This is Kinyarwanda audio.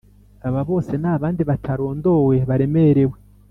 Aba bose n abandi batarondowe baremerewe